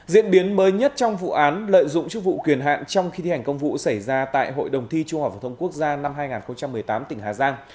khi thi hành công vụ xảy ra tại hội đồng thi trung học và thông quốc gia năm hai nghìn một mươi tám tỉnh hà giang